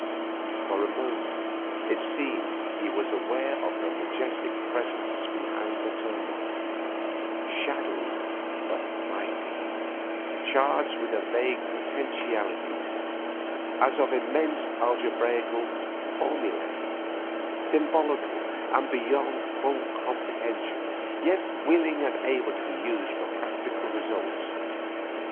For a moment, it seemed, he was aware of majestic Presences behind the turmoil, shadowy but mighty, charged with a vague potentiality as of immense algebraical formulae, symbolical and beyond full comprehension, yet willing and able to be used for practical results.